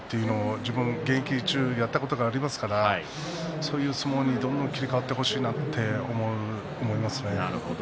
自分は現役中にやったことがありますからそういう相撲に切り替わってほしいなと思います。